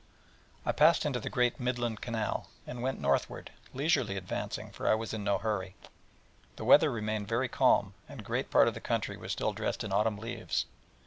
I passed into the great Midland Canal, and went northward, leisurely advancing, for I was in no hurry. The weather remained very warm, and great part of the country was still dressed in autumn leaves.